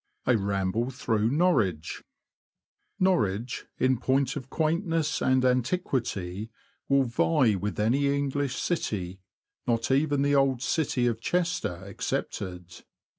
A RAMBLE THROUGH NORWICH, ^^p ORWICH, in point of quaintness and anti quity, will vie with any English city, not even the old city of Chester excepted.